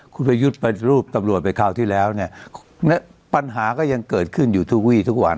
คุณประยุทธ์ปฏิรูปตำรวจไปคราวที่แล้วเนี่ยปัญหาก็ยังเกิดขึ้นอยู่ทุกวีทุกวัน